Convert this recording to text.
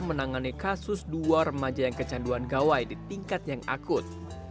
menangani kasus dua remaja yang kecanduan gawai di tingkat yang akut